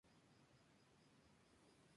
Este dejó la banda por diferencias con Juliano.